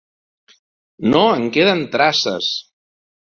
No en queden traces.